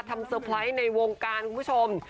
เซอร์ไพรส์ในวงการคุณผู้ชม